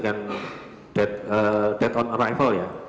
kan dead on arrival ya